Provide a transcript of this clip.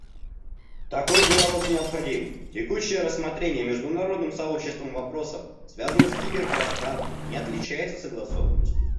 Такой диалог необходим; текущее рассмотрение международным сообществом вопросов, связанных с киберпространством, не отличается согласованностью.